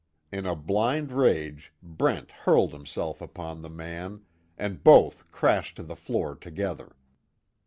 In a blind rage Brent hurled himself upon the man, and both crashed to the floor together.